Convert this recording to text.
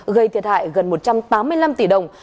gây thiệt hại gần một trăm tám mươi năm tỷ đồng